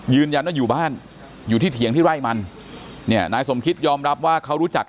ยืนยันว่าอยู่บ้านอยู่ที่เถียงที่ไร่มันเนี่ยนายสมคิตยอมรับว่าเขารู้จัก